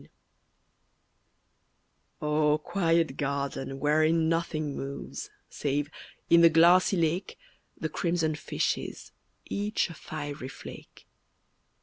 XXIV O quiet garden wherein nothing moves Save, in the glassy lake, The crimson fishes, each A fiery flake.